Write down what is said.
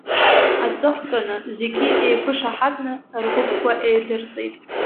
Аҵыхәтәаны зегьы еиқәышаҳаҭны ргәыԥқәа еидырҵеит.